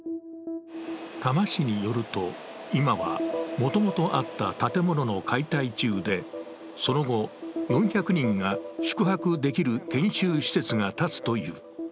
多摩市によると、今はもともとあった建物の解体中でその後、４００人が宿泊できる研修施設が建つという。